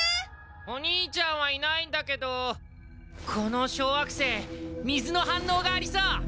お兄ちゃんはいないんだけどこの小惑星水の反応がありそう。